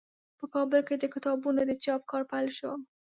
په کابل کې د کتابونو د چاپ کار پیل شو.